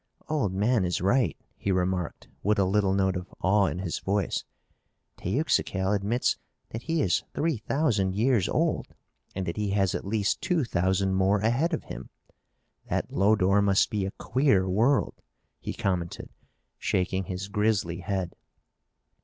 "Old man is right," he remarked, with a little note of awe in his voice. "Teuxical admits that he is three thousand years old and that he has at least two thousand more ahead of him. That Lodore must be a queer world," he commented, shaking his grizzly head.